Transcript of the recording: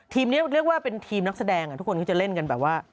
นี้เรียกว่าเป็นทีมนักแสดงทุกคนเขาจะเล่นกันแบบว่า